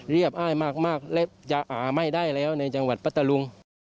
เรียบอ้ายมากและอ่าไม่ได้แล้วในจังหวัดปัตตาลุง